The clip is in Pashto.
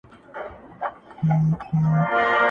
د دروازې پر سر یې ګل کرلي دینه٫